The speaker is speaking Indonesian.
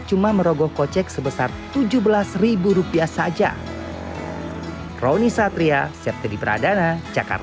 cuman merogoh kocek sebesar tujuh belas rupiah saja rouni satria sert dipradana jakarta